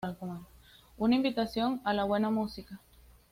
Una invitación a la buena música.